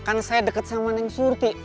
kan saya deket sama nen serti